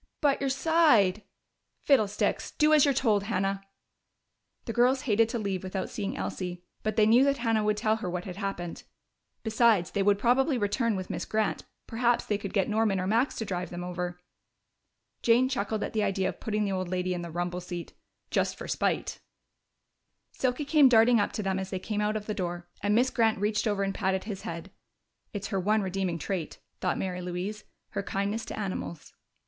"But your side " "Fiddlesticks! Do as you're told, Hannah." The girls hated to leave without seeing Elsie, but they knew that Hannah would tell her what had happened. Besides, they would probably return with Miss Grant; perhaps they could get Norman or Max to drive them over. Jane chuckled at the idea of putting the old lady in the rumble seat just for spite! Silky came darting up to them as they came out of the door, and Miss Grant reached over and patted his head. ("It's her one redeeming trait," thought Mary Louise "her kindness to animals.")